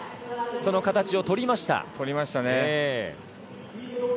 その形をとりました。